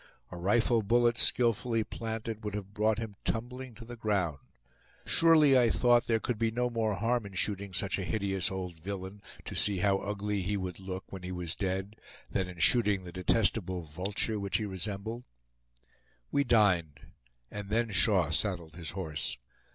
A rifle bullet, skillfully planted, would have brought him tumbling to the ground. Surely, I thought, there could be no more harm in shooting such a hideous old villain, to see how ugly he would look when he was dead, than in shooting the detestable vulture which he resembled. We dined, and then Shaw saddled his horse.